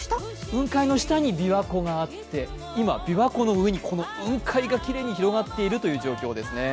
雲海の下に琵琶湖があって、琵琶湖の上に雲海がきれいに広がっている状況です。